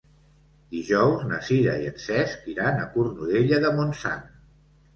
Dijous na Sira i en Cesc iran a Cornudella de Montsant.